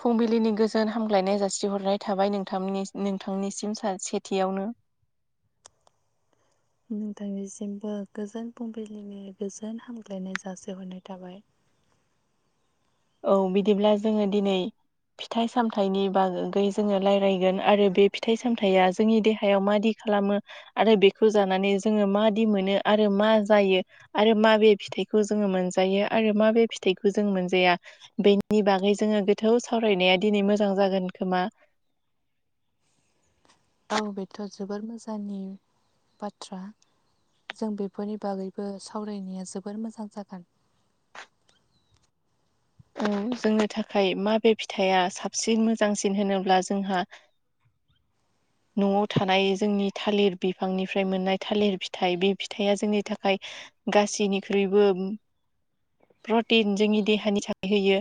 फुंबिलिनि गोजोन हामलायनाय जासिहरनाय थाबाय नोंथांनि नोंथांनिसिम सेथियावनो [unintelligible] नोंथांनिसिमबो गोजोन फुंबिलिनि गोजोन हामग्लायनाय जासिहरनाय थाबाय औ बिदिब्ला जोङो दिनै फिथाइ-सामथायनि बागै जोंङो रायज्लायगोन आरो बे फिथाइ सामथाइया जोंनि देहायाव मादि खालामो आरो बेखौ जानानै जोङो मादि मोनो आरो मा जायो आरो माबे फिथाइया फिथाइखौ जोङो मोनजायो आरो माबे फिथाइखौ जों मोनजाया बेनि बागै जोङो गोथौ सावरायनाया दिनै मोजां जागोन खोमा औ बेथ' जोबोर मोजांनि बाथ्रा जों बेफोरनि बागैबो सावरायनाया जोबोर मोजां जागोन [inaudible] औ जोंनि थाखाय माबे फिथाइया साबसिन मोजांसिन होनोब्ला जोंहा [inaudible] न'आव थानाय जोंनि थालिर बिफांनिफ्राय मोननाय थालिर फिथाइ बे फिथाइया जोंनि थाखाय गासैनिख्रुइबो प्रटिन जोंनि देहानि थाखाय होयो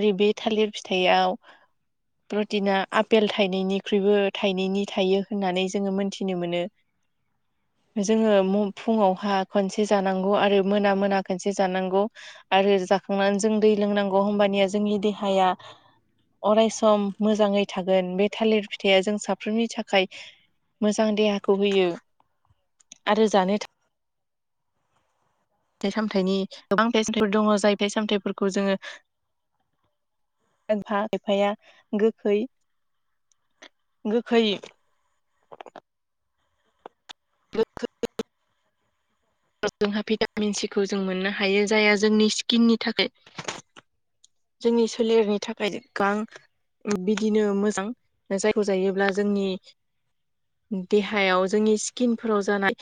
आरो बे थालिर फिथाइयाव प्रटिना आपेल थायनैनिख्रुइबो थायनैनि थायो होननानै जोङो मोनथिनो मोनो [inaudible] जोङो फुंङावहा खनसे जानांगौ आरो मोना मोना खनसे जानांगौ आरो जाखांनानै जों दै लोंनांगौ होमबानिया जोंनि देहाया अरायसम मोजाङै थागोन बे थालिर फिथाइया जों साफ्रोमनि थाखाय मोजां देहाखौ होयो आरो जानो फिथाइ सामथायनि गोबां फाइ सामथाइफोर दङ जाय फिथाइ सामथाइफोरखौ जोङो खायफा खायफाया गोखै गोखै [unintelligible] जोंहा भिटामिन सिखौ जों मोननो हायो जायहा जोंनि स्किननि थाखाय जोंनि सोलेरनि थाखाय गां बिदिनो मोजां जायखौ जायोब्ला जोंनि देहायाव जोंनि स्किनफोराव जानाय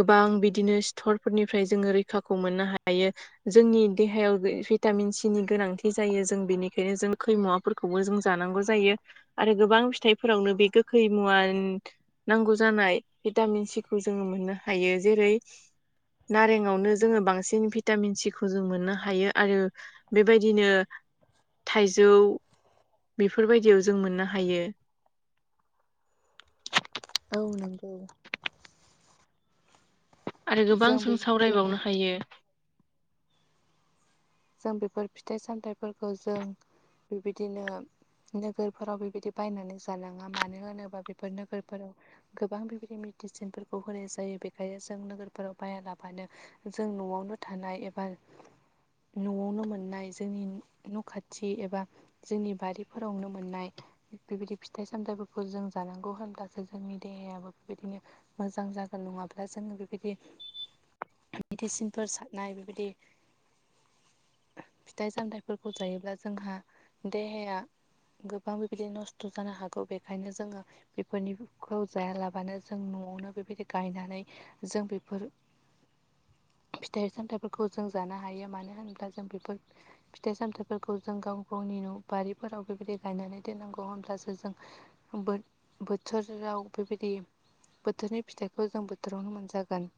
गोबां बिदिनो सि थरफोरनिफ्राय जोङो रैखाखौ मोननो हायो। जोंनि देहायाव भिटामिन सिनि गोनांथि जायो जों बेनिखायनो जों गोखै मुवाफोरखौबो जों जानांगौ जायो आरो गोबां फिथाइफोरावनो बे गोखै खै मुवा नांगौ जानाय भिटामिन सिखौ जोङो मोननो हायो जेरै नारेंआवनो जोङो बांसिन भिटामिन सिखौ जों मोननो हायो आरो बेबायदिनो थाइजौ बेफोरबायदियाव जों मोननो हायो औ नंगौ आरो गोबां बे जों बेफोर सावरायबावनो हायो। जों बेफोर फिथाइ सामथाइफोरखौ जों बेबायदिनो नोगोरफोराव बेबायदि बायनानै जानाङा। मानो होनोबा बेफोर नोगोरफोराव गोबां बेबायदि मेदिसिनफोरखौ होनाय जायो। बेखायनो जों नोगोरफोराव बायालाबानो जों न'आवनो थानाय एबा [inaudible] न'आवनो मोननाय जोंनि न' खाथि एबा जोंनि बारिफोरावनो मोननाय बेबायदि फिथाइ-सामथायफोरखौ जों जानांगौ होनब्लासो जोंनि देहायाबो बेबायदिनो मोजां जागोन। नङाब्ला जों बेबायदि मेदिसिनफोर सारनाय बेबायदि फिथाइ-सामथाइफोरखौ जायोब्ला जोंहा देहाया गोबां बेबायदि नस्थ' जानो हागौ। बेखायनो जोङो बेफोरनिखौ जायालाबानो जों न- वनो बेबायदि गायनानै जों बेफोर फिथाइ-सामथाइफोरखौ जों जानो हायो। मानो- मानो होनोबब्ला जों बेफोर फिथाइ-सामथाइफोरखौ जों गाव-गावनि न' बारिफोराव बेबायदि गायनानै दोननांगौ। नांगौ होनब्लासो जों बो-बोथोराव बेबायदि बोथोरनि फिथाइखौ जों बोथोरावनो मोनजागोन। [inaudible]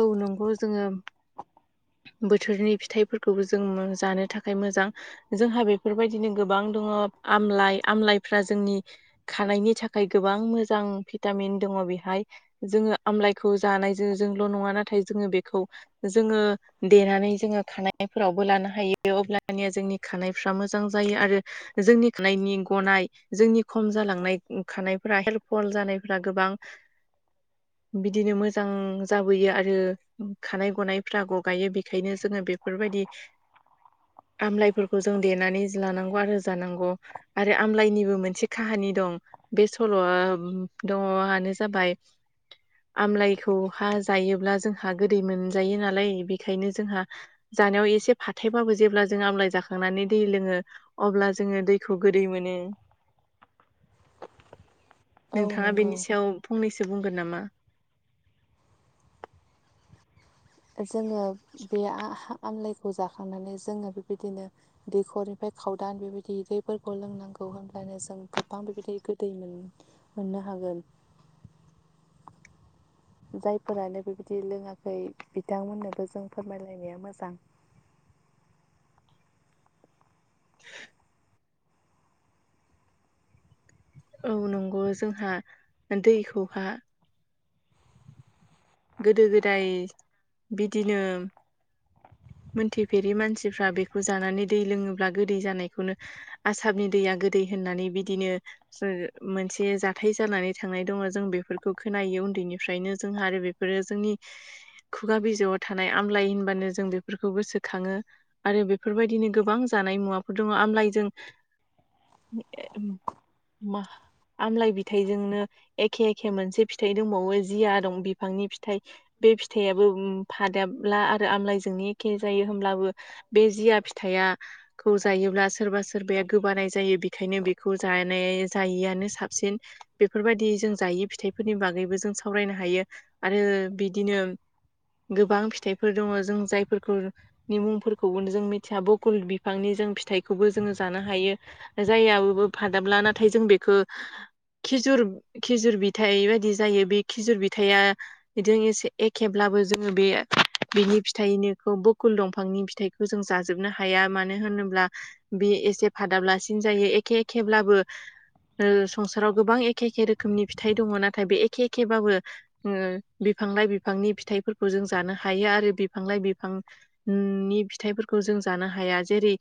औ नंगौ जोङो बोथोरनि फिथाइफोरखौबो जों जानो थाखाय मोजां। जोंहा बेफोरबायदिनो गोबां दङ आमलाइ आमलाइफ्रा जोंनि खानाइनि थाखाय गोबां मोजां भिटामिन दङ बेहाय जोङो आमलाइखौ जानायजो- जोंल' नङा नाथाय जोङो बेखौ जोङो देनानै जोङो खानायफोरावबो लानो हायो। अब्लानिया जोंनि खानायफ्रा मोजां जायो आरो जोंनि खानायनि गनाय जोंनि खम जालाङो। खानाइ-खानाइफोरा हेयरफल जानायफोरा गोबां [inaudible] बिदिनो मोजां जाबोयो आरो। खानाय गनायफ्रा गगायो बेखायनो जोङो बेफोरबायदि आमलाायफोरखौ जों देनानै लानांगौ आरो जानांगौ। आरो आमलाायनिबो मोनसे काहानि दं बे सल'आ दङआनो जाबाय आमलाइखौ हा जायोब्ला जोंहा गोदै मोनजायो नालाय बेखायनो जोंहा जानायाव एसे फाथायबाबो जेब्ला जों आमलााय जाखांनानै दै लोङो अब्ला जोङो दैखौ गोदै मोनो। [inaudible] नोंथाङा नंगौ बेनि सायाव फंनैसो बुंगोन नामा? जोङो बे आ-आ आमलाइखौ जाखांनानै जोङो बेबायदिनो दैखरनिफ्राय खावदान बेबायदि दैफोरखौ लोंनांगौ। होमब्लानो जों गोबां बेबायदि गोदै मो-मोननो हागोन। जायफोरानो बेबायदि लोङाखै बिथांमोननोबो जों फोरमायलायनाया मोजां। [inaudible] [inaudible] औ नंगौ जोंहा दैखौहा गोदो-गोदाय बिदिनो [inaudible] मोनथिफेरि मानसिफ्रा बेखौ जानानै दै लोङोब्ला गोदै जानायखौनो आसामनि दैया गोदै होननानै बिदिनो ओ मोनसे जाथाय जानानै थांनाय दङ जों बेफोरखौ खोनायो उन्दैनि निफ्रायनो जोंहा आरो बे- फोरो जोंनि खुगा बिजौआव थानाय आमलाय होनबानो जों बेफोरखौ गोसोखाङो। आरो बेफोरबायदिनो गोबां जानाय मुवाफोर दङ। आमलाइजों मा आमलाय बिथाइजोंनो एखे एखे मोनसे फिथाइ दंबावो। जिया दं बिफांनि फिथाइ बे फिथाइयाबो फादाब ला आरो आमलाइजोंनि एखे जायो होमब्लाबो बे जिया फिथाइया खौ जायोब्ला सोरबा सोरबाया गोबानाय जायो। बेखायनो बेखौ जानाय जायैआनो साबसिन। बेफोरबायदि जों जायि फिथाइफोरनि बागैबो जों सावरायनो हायो आरो बिदिनो गोबां फिथाइफोर दङ जों जायफोरखौनि मुंफोरखौबो जों मिथिया बकुल बिफांनि जों फिथाइखौबो जोङो जानो हायो जायबो फादाबला नाथाय जों बेखौ खिजुर खिजुर बिथाइ बायदि जायो बे खिजुर बिथाइया बिदिजों एसे एखेब्लाबो जोङो बे बिनि फिथाइनिखौ बकुल दंफांनि फिथाइखौ जों जाजोबनो हाया मानो होनोब्ला बे एसे फादाब लासिन जायो एखे एखेब्लाबो ओ संसाराव गोबां एखे एखे रोखोमनि फिथाइ दङ नाथाय बे एखे एखेबाबो ओ बिफां लाइ बिफांनि फिथाइफोरखौ जों जानो हायो आरो बिफां लाइ बिफांनि फिथाइफोरखौ जों जानो हाया जेरै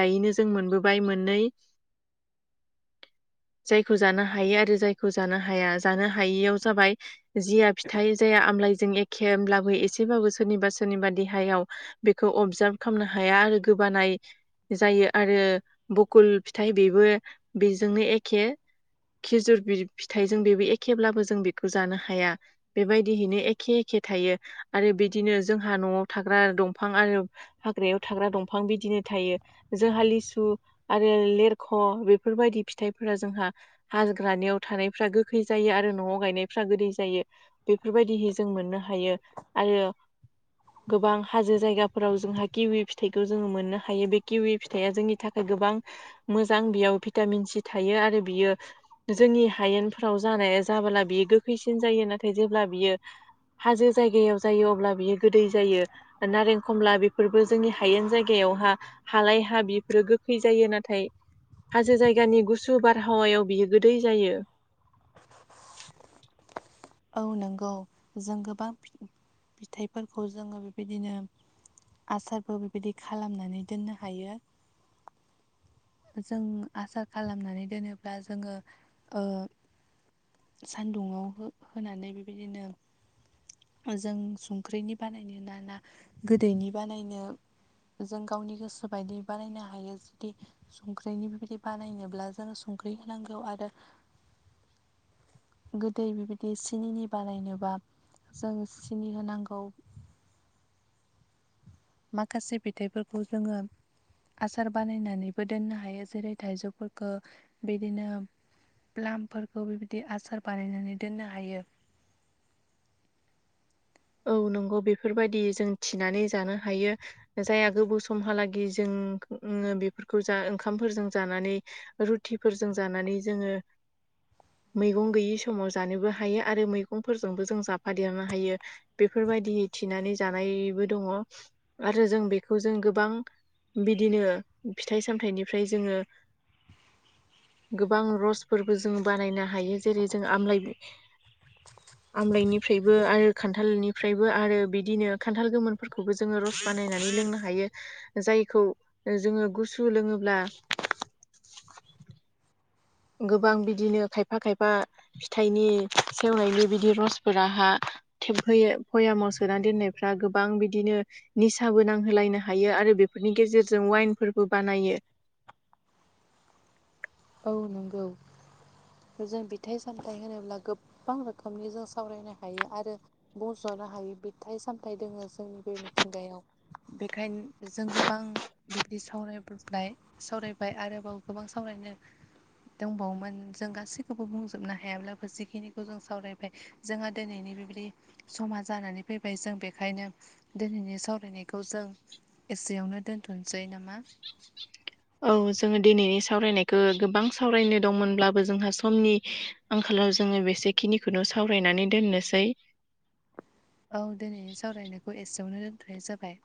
दायैनो जों मोनबोबाय मोननै [inaudible] जायखौ जानो हायो आरो जायखौ जानो हाया जानो हायियाव जाबाय जिया फिथाइ जाया आमलााय एखे होनब्लाबो एसेबाबो सोरनिबा सोरनिबा देहायाव बेखौ अबजारब खालामनो हाया आरो बानाय जायो आरो बकुल फिथाइ बेबो बेजोंनो एखे खिजुर बि फिथाइजों बेबो एखेब्लाबो जों बेखौ जानो हा हाया बेबायदिहैनो एखे एखे थायो आरो बिदिनो जोंहा न'आव थाग्रा दंफां आरो [unintelligible] हाग्रायाव थाग्रा दंफां बिदिनो थायो जोंहा लिसु आरो लेरख' बेफोरबायदि फिथाइफोरा जोंहा हाग्रानिाव थानायफ्रा गोखै जायो आरो न'आव गायनायफ्रा गोदै जायो बेफोरबायदिहै जों मोननो हायो आरो गोबां हाजो जायगाफोराव जोंहा किउवि फिथाइखौ जोङो मोननो हायो बे किउवि फिथाइया जोंनि थाखाय गोबां मोजां बेयाव भिटामिन सि थायो आरो बियो जोंनि हायेनफोराव जानाय जाबोला बियो गोखैसिन जायो नाथाय जेब्ला बियो हाजो जायगायाव जायो अब्ला बियो गोदै जायो नारें खमला बेफोरबो जोंनि हायेन जायगायाव याव हा हालाय हा बेफोरो गोखै जायो नाथाय हाजो जायगानि गुसु बारहावायाव बियो गोदै जायो [inaudible] औ नंगौ जों गोबां फि फिथाइफोरखौ जोङो बेबायदिनो आसारबो बेबायदि खालामनानै दोननो हायो जों आसार खालामनानै दोनोब्ला जोङो सान्दुंआव हो होनानै बेबायदिनो जों संख्रिनि बानायनो ना ना गोदैनि बानायनो जों गावनि गोसो बायदि बानायायनो हायो जुदि संख्रिनि बेबायदि बानायनोब्ला जोङो संख्रि होनांगौ आरो गोदै बेबायदि सिनिनि बानायनोबा जों सिनि होनांगौ माखासे फिथाइफोरखौ जोङो आसार बानायनानैबो दोननो हायो जेरै थाइजौफोरखौ बिदिनो प्लामफोरखौ बेबायदि आसार बानायनानै दोननो हायो औ नंगौ बेफोरबायदि जों थिनानै जानो हायो जायहा गोबाव समहालागै जों ओम ओङो बेफोरखौ जा ओंखामफोरजों जानानै रुटिफोरजों जानानै जोङो मैगं गैयि समाव जानोबो हायो आरो मैगंफोरजोंबो जों जाफादेरनो हायो बेफोरबायदि थिनानै जानायबो दङ आरो जों बेखौ जों गोबां बिदिनो फिथाइ सामथायाइनिफ्राय जोङो गोबां रसफोरबो जों बानायनो हायो जेरै जों आमलाइ आमलायनिफ्रायबो आरो खान्था थालनिफ्रायबो आरो बिदिनो खान्थाल गोमोनफोरखौबो जोङो रस बानायनानै लोंनो हायो जायखौ औ जोङो गुसु लोङोब्ला [inaudible] गोबां बिदिनो खायफा खायफा फिथाइनि सेवनायनि बिदि रसफोराहा थेबहैयो पयामाव सोनानै दोननायफ्रा गोबां बिदिनो निसाबो नांहोलायनो हायो आरो बेफोरनि गेजेरजों वाइनफोरबो बानायो [inaudible] औ नंगौ जों बिथाइ सामथाइ होनोब्ला गोबां रोखोमनि जों सावरायनो हायो आरो बजथ नो हायो बिथाइ सामथाय दोङो जोंनि बे मिथिंगायाव बेखायनो जों गोबां बिबदि सावरायबाय सावरायबाय आरोबाव गोबां सावरायनो [inaudible] दंबावोमोन जों गासैखौबो बुंजोबनो हायाब्लाबो जिखिनिखौ जों सावरायबाय जोंहा दिनैनि बे रि समा जानानै फैबाय जों बेखायनो दिनैनि सावरायनायखौ जों एसेयावनो दोन्थ'नोसै नामा औ जोङो दिनैनि सावरायनायखौ गोबां सावरायनो दंमोनब्लाबो जोंहा समनि आंखाल लाव जोङो बेसेखिनिखौनो सावरायनानै दोननोसै औ दिनै सावरायनायखौ एसेयावनो दोनथनाय जाबाय